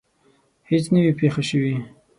هیڅ نه وي پېښه شوې.